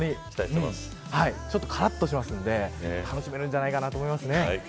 ちょっとからっとするので楽しめるんじゃないかなと思います。